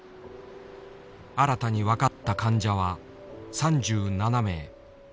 新たに分かった患者は３７名。